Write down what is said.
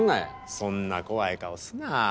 そんな怖い顔すな。